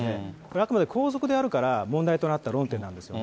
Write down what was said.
あくまで皇族であるから問題となった論点なんですよ。